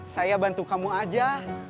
saya bantu kamu aja